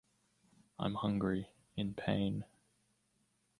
I'm hungry — in pain.